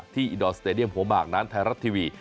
ที่อิดอลสเตดียมหัวมากน้านไทยรัตน์ทีวี